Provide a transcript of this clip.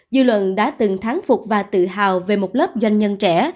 dư luận đã từng tháng phục và tự hào về một lớp doanh nhân trẻ